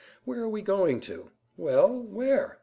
Where are we going to? Well, where?